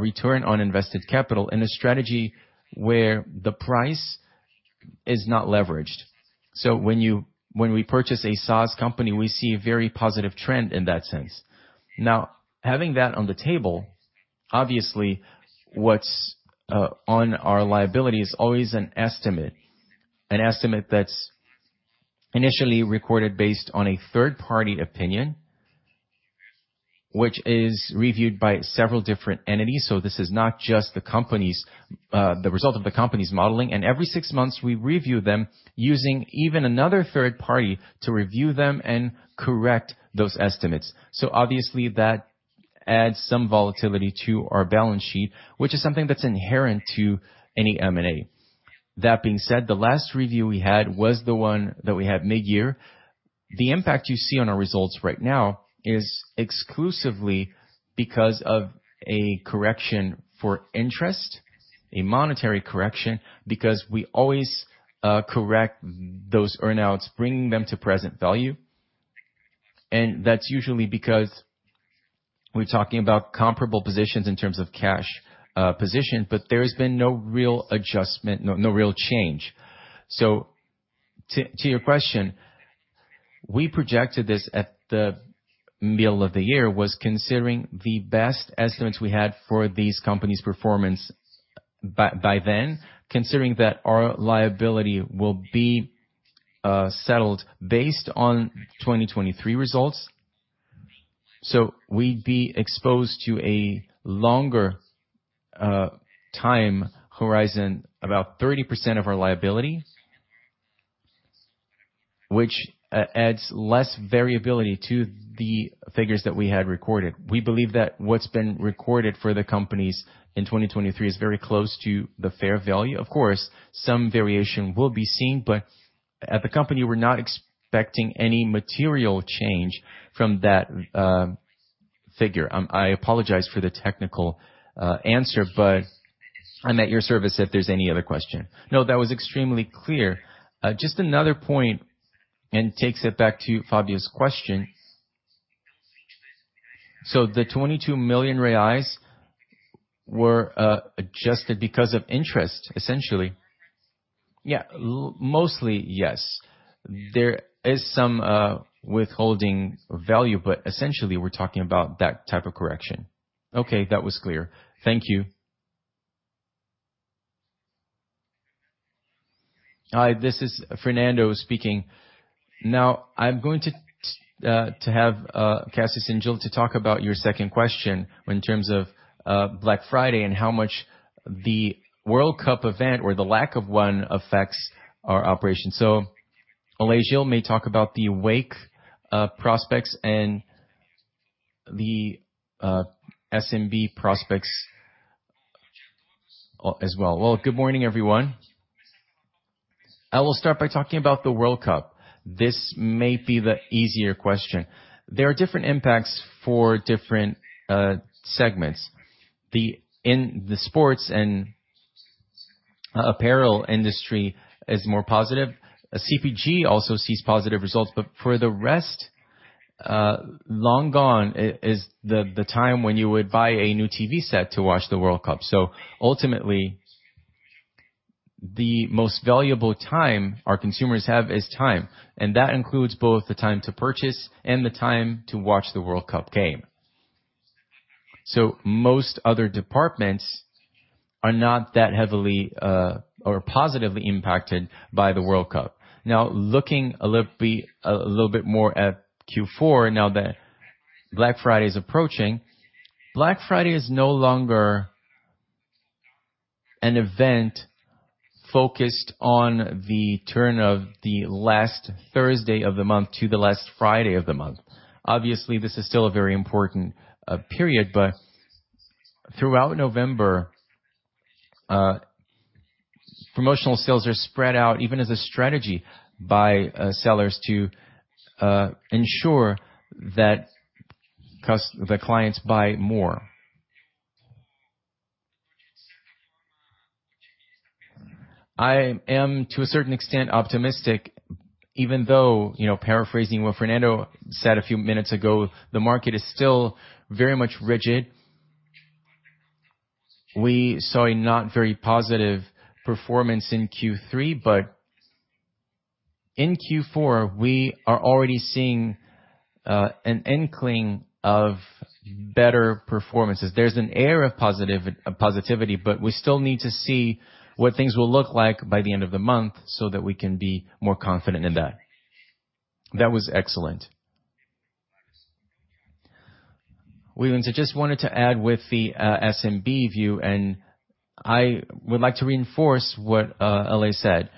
C: return on invested capital in a strategy where the price is not leveraged. So when we purchase a SaaS company, we see a very positive trend in that sense. Now, having that on the table, obviously, what's on our liability is always an estimate. An estimate that's initially recorded based on a third-party opinion, which is reviewed by several different entities, so this is not just the company's, the result of the company's modeling. And every six months, we review them using even another third party to review them and correct those estimates. So obviously, that adds some volatility to our balance sheet, which is something that's inherent to any M&A. That being said, the last review we had was the one that we had mid-year. The impact you see on our results right now is exclusively because of a correction for interest, a monetary correction, because we always, correct those earn-outs, bringing them to present value. And that's usually because we're talking about comparable positions in terms of cash, position, but there's been no real adjustment, no, no real change. So to, to your question, we projected this at the middle of the year, was considering the best estimates we had for these companies' performance by, by then, considering that our liability will be settled based on 2023 results. So we'd be exposed to a longer, time horizon, about 30% of our liability, which, adds less variability to the figures that we had recorded. We believe that what's been recorded for the companies in 2023 is very close to the fair value. Of course, some variation will be seen, but at the company, we're not expecting any material change from that figure. I apologize for the technical answer, but I'm at your service if there's any other question.
K: No, that was extremely clear. Just another point, and takes it back to Fabio's question. So the 22 million reais were adjusted because of interest, essentially?
C: Yeah, mostly, yes. There is some withholding value, but essentially, we're talking about that type of correction.
K: Okay, that was clear. Thank you.
B: Hi, this is Fernando speaking. Now, I'm going to have Cassius Schymura to talk about your second question in terms of Black Friday and how much the World Cup event, or the lack of one, affects our operation. So Alessandro may talk about the Wake prospects and the SMB prospects as well. Well, good morning, everyone. I will start by talking about the World Cup. This may be the easier question. There are different impacts for different segments. In the sports and apparel industry is more positive. CPG also sees positive results, but for the rest, long gone is the time when you would buy a new TV set to watch the World Cup game. So ultimately, the most valuable time our consumers have is time, and that includes both the time to purchase and the time to watch the World Cup game. So most other departments are not that heavily or positively impacted by the World Cup. Now, looking a little bit, a little bit more at Q4 now that Black Friday is approaching. Black Friday is no longer an event focused on the turn of the last Thursday of the month to the last Friday of the month. Obviously, this is still a very important period, but throughout November, promotional sales are spread out, even as a strategy by sellers to ensure that cust- the clients buy more. I am, to a certain extent, optimistic, even though, you know, paraphrasing what Fernando said a few minutes ago, the market is still very much rigid. We saw a not very positive performance in Q3, but in Q4, we are already seeing an inkling of better performances. There's an air of positive, of positivity, but we still need to see what things will look like by the end of the month, so that we can be more confident in that. That was excellent. Willians, so just wanted to add with the SMB view, and I would like to reinforce what Ale said.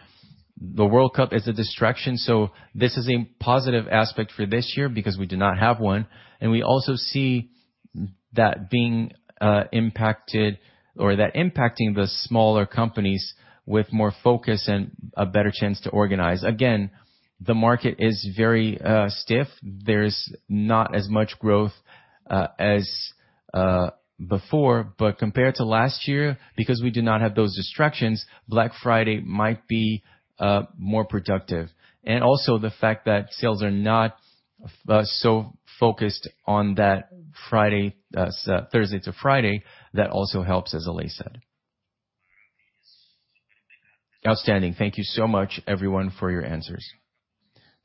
B: The World Cup is a distraction, so this is a positive aspect for this year because we did not have one, and we also see that being impacted or that impacting the smaller companies with more focus and a better chance to organize. Again, the market is very stiff. There's not as much growth as before, but compared to last year, because we did not have those distractions, Black Friday might be more productive. And also, the fact that sales are not so focused on that Friday, so Thursday to Friday, that also helps, as Ale said.
K: Outstanding. Thank you so much everyone for your answers.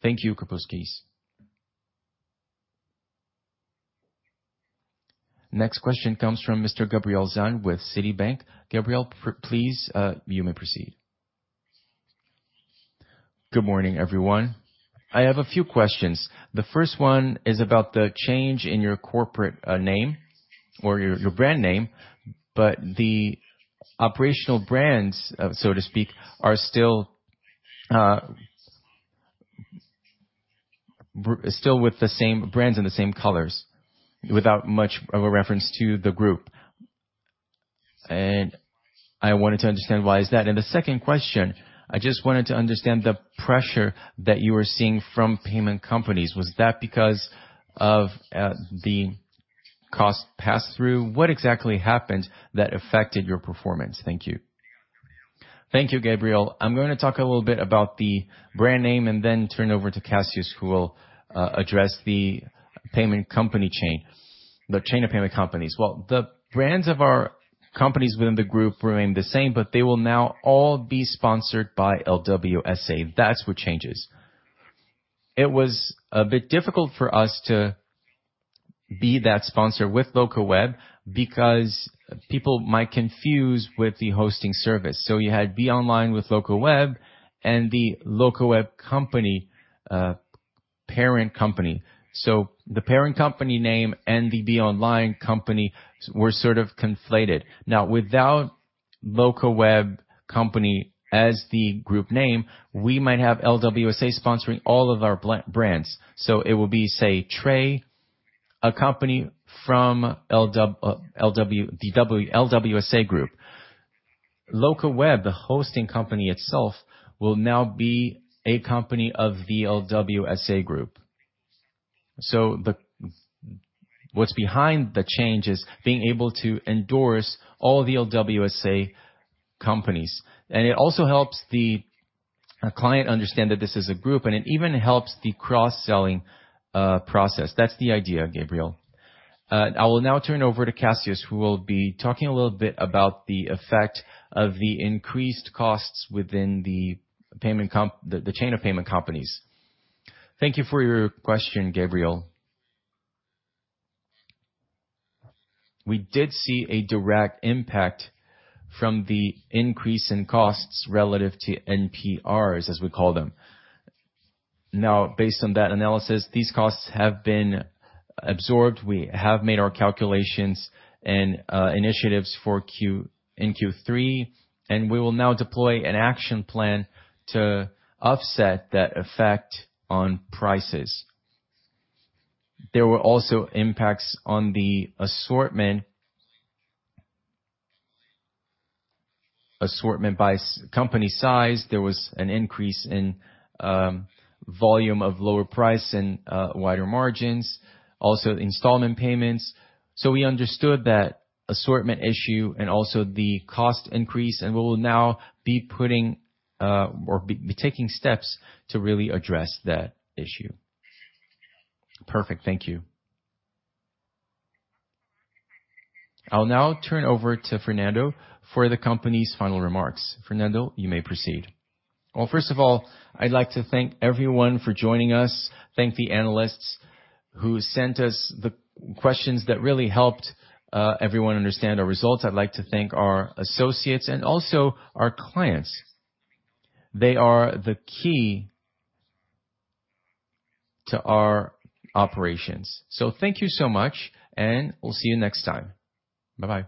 B: Thank you, Thiago Kapulskis.
E: Next question comes from Mr. Gabriel Gusan with Citibank. Gabriel, please, you may proceed.
L: Good morning, everyone. I have a few questions. The first one is about the change in your corporate name or your brand name, but the operational brands, so to speak, are still with the same brands and the same colors, without much of a reference to the group. And I wanted to understand, why is that? And the second question, I just wanted to understand the pressure that you were seeing from payment companies. Was that because of the cost pass-through? What exactly happened that affected your performance? Thank you.
B: Thank you, Gabriel. I'm going to talk a little bit about the brand name and then turn it over to Cassius, who will address the payment company chain, the chain of payment companies. Well, the brands of our companies within the group remain the same, but they will now all be sponsored by LWSA. That's what changes. It was a bit difficult for us to be that sponsor with Locaweb, because people might confuse with the hosting service. So you had BeOnline with Locaweb and the Locaweb company, parent company. So the parent company name and the BeOnline company were sort of conflated. Now, without Locaweb company as the group name, we might have LWSA sponsoring all of our brands, so it will be, say, Tray, a company from the LWSA group. Locaweb, the hosting company itself, will now be a company of the LWSA group. So what's behind the change is being able to endorse all the LWSA companies, and it also helps the client understand that this is a group, and it even helps the cross-selling process. That's the idea, Gabriel. I will now turn over to Cassius, who will be talking a little bit about the effect of the increased costs within the payment chain of payment companies.
I: Thank you for your question, Gabriel. We did see a direct impact from the increase in costs relative to MDRs, as we call them. Now, based on that analysis, these costs have been absorbed. We have made our calculations and initiatives for Q3, and we will now deploy an action plan to offset that effect on prices. There were also impacts on the assortment. Assortment by SMB company size. There was an increase in volume of lower price and wider margins, also installment payments. So we understood that assortment issue and also the cost increase, and we will now be putting or taking steps to really address that issue.
L: Perfect. Thank you.
E: I'll now turn over to Fernando for the company's final remarks. Fernando, you may proceed.
I: Well, first of all, I'd like to thank everyone for joining us, thank the analysts who sent us the questions that really helped everyone understand our results. I'd like to thank our associates and also our clients. They are the key to our operations. So thank you so much, and we'll see you next time. Bye-bye.